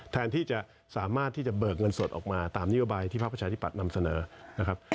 แทนที่จะสามารถที่จะเบิกเงินสดออกมาตามนโยบายที่ภาคประชาธิปัตย์นำเสนอนะครับ